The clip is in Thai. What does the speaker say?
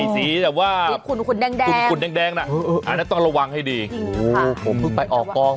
ใกล้แล้วต้องระหว่านลอง